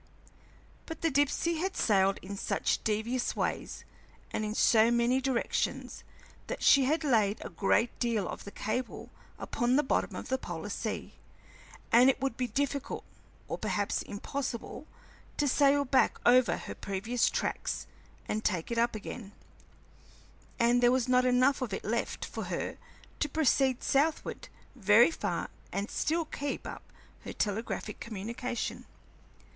But the Dipsey had sailed in such devious ways and in so many directions that she had laid a great deal of the cable upon the bottom of the polar sea, and it would be difficult, or perhaps impossible, to sail back over her previous tracks and take it up again; and there was not enough of it left for her to proceed southward very far and still keep up her telegraphic communication.